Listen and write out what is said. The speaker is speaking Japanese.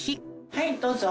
はいどうぞ。